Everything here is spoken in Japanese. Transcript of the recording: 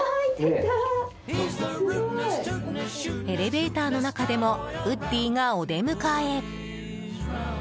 エレベーターの中でもウッディがお出迎え。